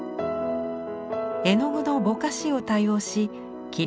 絵の具のぼかしを多用し霧